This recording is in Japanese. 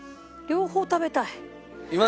両方食べたい。